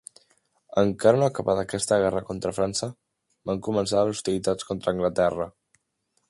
Encara no acabada aquesta guerra contra França, van començar les hostilitats contra Anglaterra.